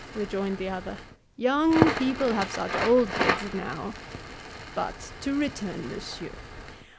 rejoined the other: "young people have such old heads now. But to return, Monsieur.